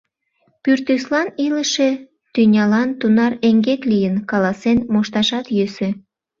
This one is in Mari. Пӱртӱслан, илыше тӱнялан тунар эҥгек лийын — каласен мошташат йӧсӧ!